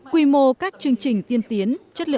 quy mô các chương trình tiên tiến